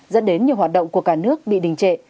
dẫn đến nhiều hoạt động của cả nước bị đình trệ